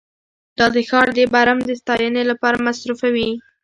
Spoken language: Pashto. دا د ښار د برم د ستاینې لپاره مصرفوي